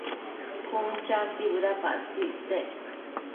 Cun champi bëdapactsëc ictsec